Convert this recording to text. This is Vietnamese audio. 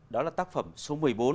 đó là tác phẩm số một mươi bốn